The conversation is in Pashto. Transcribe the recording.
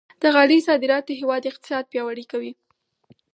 د غالۍ صادرات د هېواد اقتصاد پیاوړی کوي.